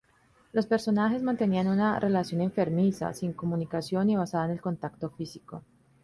Los personajes mantenían una relación enfermiza, sin comunicación y basada en el contacto físico.